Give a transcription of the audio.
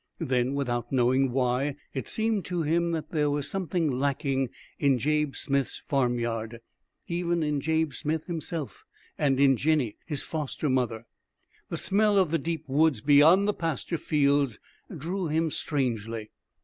Then, without knowing why, it seemed to him that there was something lacking in Jabe Smith's farmyard even in Jabe Smith himself and in Jinny, his foster mother. The smell of the deep woods beyond the pasture fields drew him strangely.